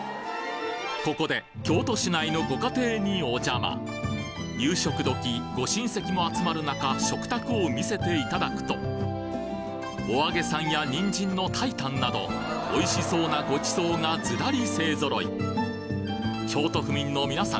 ここで京都市内のご家庭にお邪魔夕食どきご親戚も集まる中食卓を見せていただくとお揚げさんやニンジンの炊いたんなどおいしそうなごちそうがずらり勢揃い京都府民の皆さん